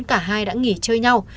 cả hai đã nghỉ chơi nhau